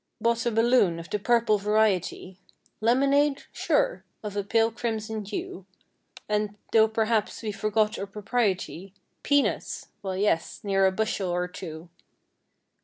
Bought a balloon of the purple variety. Lemonade ? Sure I of a pale crimson hue. And, though perhaps we forgot our propriety— Peanuts! Well yes, near a bushel or two.